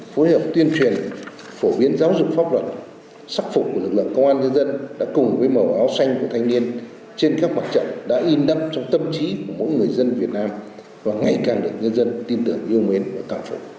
phối hợp tuyên truyền phổ biến giáo dục pháp luật sắc phục của lực lượng công an nhân dân đã cùng với màu áo xanh của thanh niên trên các mặt trận đã in đắp trong tâm trí của mỗi người dân việt nam và ngày càng được nhân dân tin tưởng yêu mến và cảm phục